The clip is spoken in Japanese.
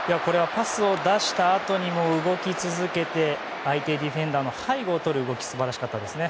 パスを出したあとにも動き続けて相手ディフェンダーの背後をとる動き素晴らしかったですね。